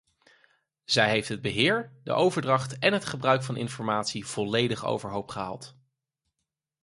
Zij heeft het beheer, de overdracht en het gebruik van informatie volledig overhoop gehaald.